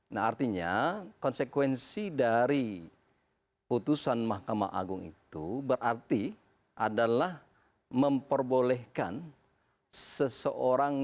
nah artinya konsekuensi dari putusan mahkamah agung itu berarti adalah memperbolehkan seseorang